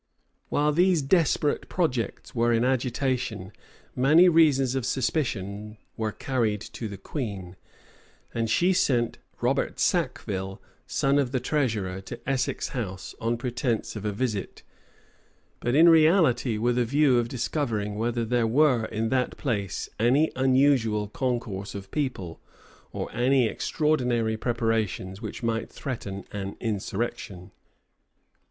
While these desperate projects were in agitation, many reasons of suspicion were carried to the queen; and she sent Robert Sacville, son of the treasurer, to Essex House, on pretence of a visit, but, in reality, with a view of discovering whether there were in that place any unusual concourse of people, or any extraordinary preparations which might threaten an insurrection.